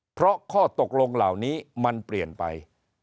เพราะข้อตกลงเหล่านี้มันเปลี่ยนไป